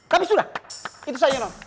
habis sudah itu saja non